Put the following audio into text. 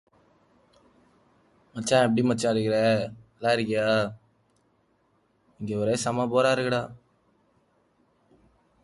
She supposed that we would arrive late due to traffic.